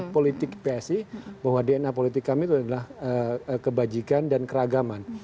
politik psi bahwa dna politik kami itu adalah kebajikan dan keragaman